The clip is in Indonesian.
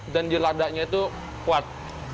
dan di ladanya tuh kuat